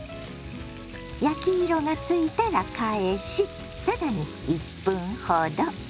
焼き色がついたら返し更に１分ほど。